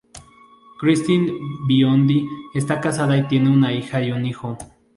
Christine Biondi está casada y tiene una hija y un hijo.